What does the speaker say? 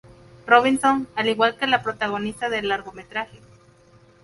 Robinson", al igual que la protagonista del largometraje.